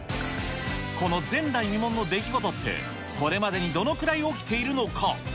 この前代未聞の出来事って、これまでにどのくらい起きているのか。